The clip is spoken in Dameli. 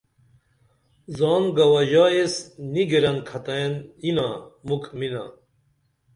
زان گواژائی ایس نی گِرن کھتئین یینا مُکھہ مِنا